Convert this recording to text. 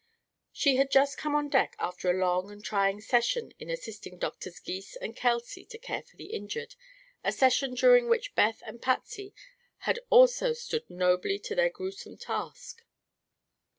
She had just come on deck after a long and trying session in assisting Doctors Gys and Kelsey to care for the injured, a session during which Beth and Patsy had also stood nobly to their gruesome task.